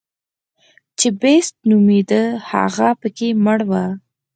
چې بېسټ نومېده هغه پکې مړ و.